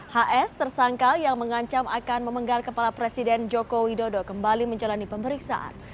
hs tersangka yang mengancam akan memenggal kepala presiden joko widodo kembali menjalani pemeriksaan